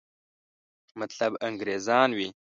مطلب انګریزان وي.